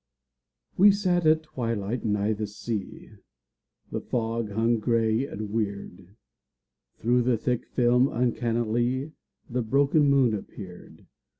We sat at twilight nigh the sea, The fog hung gray and weird. Through the thick film uncannily The broken moon appeared.